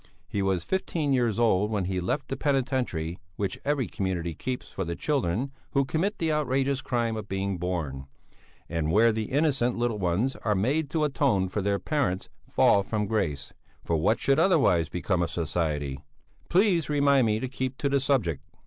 He was fifteen years old when he left the penitentiary which every community keeps for the children who commit the outrageous crime of being born, and where the innocent little ones are made to atone for their parents' fall from grace for what should otherwise become of society? Please remind me to keep to the subject!